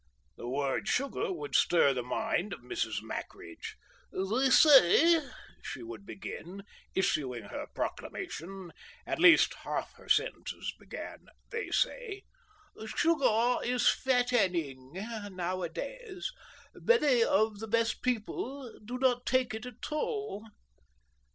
The word sugar would stir the mind of Mrs. Mackridge. "They say," she would begin, issuing her proclamation—at least half her sentences began "they say"—"sugar is fatt an ing, nowadays. Many of the best people do not take it at all."